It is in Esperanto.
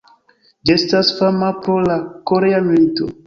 Ĝi estas fama pro la korea milito.